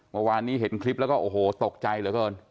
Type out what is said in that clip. วันวานนี้เห็นคลิปแล้วก็โอ้โหตกใจเลยก่อน